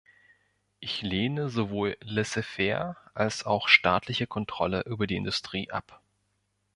Ich lehne sowohl laissez-faire als auch staatliche Kontrolle über die Industrie ab.